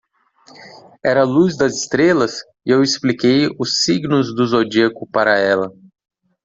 Era a luz das estrelas? e eu expliquei os Signos do Zodíaco para ela.